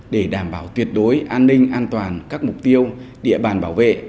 để đảm bảo tuyệt đối an ninh an toàn các mục tiêu địa bàn bảo vệ